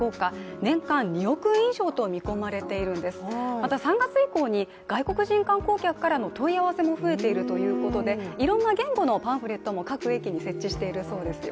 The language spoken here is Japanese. また３月以降に、外国人観光客からの問い合わせも増えているということでいろんな言語のパンフレットも各駅に設置しているようですよ。